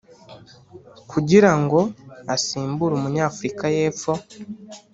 kugira ngo asimbure Umunyafurika y’Epfo